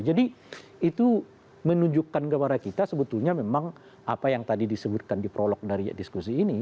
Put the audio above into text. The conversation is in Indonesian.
jadi itu menunjukkan kepada kita sebetulnya memang apa yang tadi disebutkan di prolog dari diskusi ini